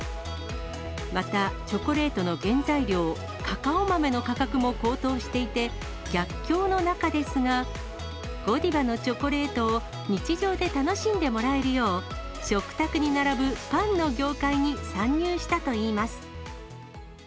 またチョコレートの原材料、カカオ豆の価格も高騰していて、逆境の中ですが、ゴディバのチョコレートを日常で楽しんでもらえるよう、食卓に並ぶパンの業界に参入したといいます。